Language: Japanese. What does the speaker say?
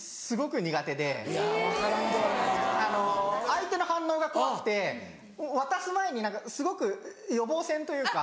相手の反応が怖くて渡す前にすごく予防線というか。